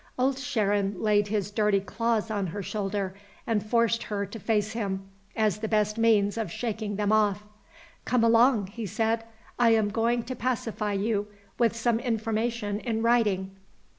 Old Sharon laid his dirty claws on her shoulder and forced her to face him as the best means of shaking them off. "Come along!" he said. "I am going to pacify you with some information in writing."